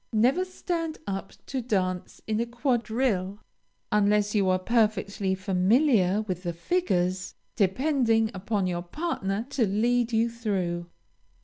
Never stand up to dance in a quadrille, unless you are perfectly familiar with the figures, depending upon your partner to lead you through.